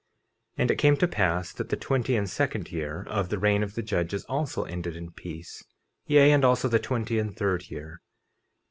50:24 And it came to pass that the twenty and second year of the reign of the judges also ended in peace; yea, and also the twenty and third year.